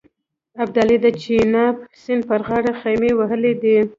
ابدالي د چیناب سیند پر غاړه خېمې وهلې دي.